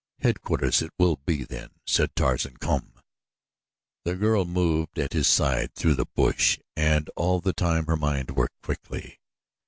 "Headquarters it will be then," said Tarzan. "Come!" The girl moved at his side through the bush and all the time her mind worked quickly.